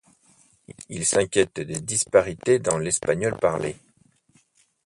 Il s'inquiète des disparités dans l'espagnol parlé.